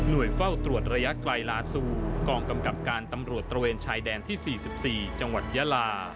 โดยเฝ้าตรวจระยะไกลลาซูกองกำกับการตำรวจตระเวนชายแดนที่๔๔จังหวัดยาลา